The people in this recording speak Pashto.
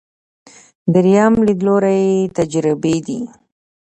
درېیم لیدلوری تجربي دی.